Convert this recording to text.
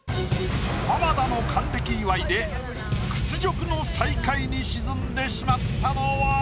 浜田の還暦祝いで屈辱の最下位に沈んでしまったのは？